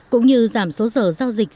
cũng như giảm số giờ giao dịch